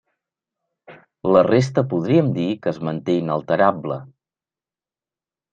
La resta podríem dir que es manté inalterable.